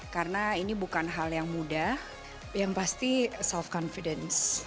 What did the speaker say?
karena ini bukan hal yang mudah yang pasti self confidence